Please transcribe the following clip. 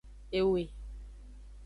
Ewe.